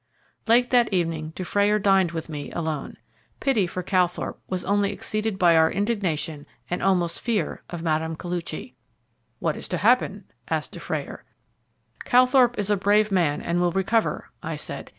Late that evening Dufrayer dined with me alone. Pity for Calthorpe was only exceeded by our indignation and almost fear of Mme. Koluchy. "What is to happen?" asked Dufrayer. "Calthorpe is a brave man and will recover," I said.